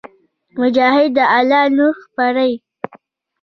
مجاهد د الله نور خپروي.